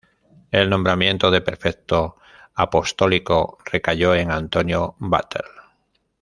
El nombramiento de Prefecto Apostólico recayó en Antonio Batlle.